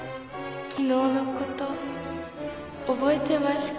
昨日のこと覚えてましゅか？